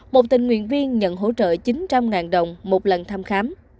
một tình nguyện viên nhận hỗ trợ chín trăm linh đồng một lần thăm khám